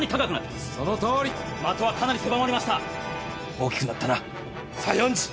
大きくなったな西園寺。